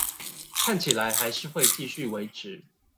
看起來還是會繼續維持